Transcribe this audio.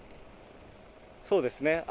そうですね。